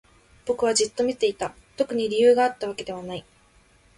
僕はじっと見ていた。特に理由があったわけじゃない。